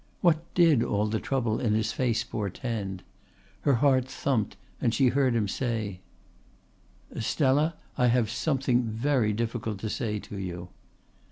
What did all the trouble in his face portend? Her heart thumped and she heard him say: "Stella, I have something very difficult to say to you."